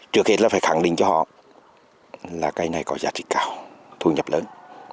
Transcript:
trước khi đó phải khẳng định cho họ là cái này có giá trị cao thu nhập lớn